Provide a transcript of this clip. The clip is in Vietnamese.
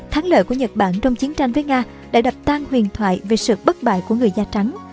thắng lợi của nhật bản trong chiến tranh với nga đã đập tan huyền thoại về sự bất bại của người da trắng